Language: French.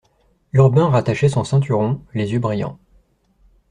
Urbain rattachait son ceinturon, les yeux brillants.